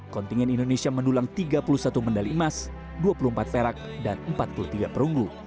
kontingen indonesia mendulang tiga puluh satu medali emas dua puluh empat perak dan empat puluh tiga perunggu